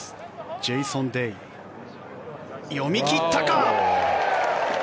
ジェイソン・デイ読み切ったか！